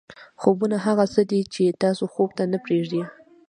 خوبونه هغه څه دي چې تاسو خوب ته نه پرېږدي.